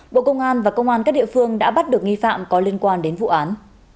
bộ công an và công an các địa phương đã bắt được nghi phạm có liên quan đến vụ án